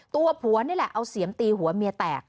ตัวผัวนี่แหละเอาเสียมตีหัวเมียแตก